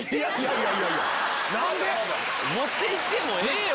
何で⁉持っていってもうええよ。